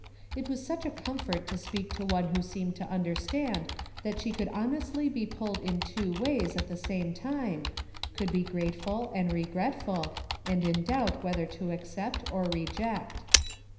It was such a comfort to speak to one who seemed to understand that she could honestly be pulled in two ways at the same time — could be grateful and regretful, and in doubt whether to accept or reject.